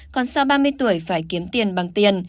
còn sau ba mươi tuổi phải kiếm tiền bằng tiền